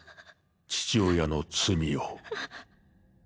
父親の罪を。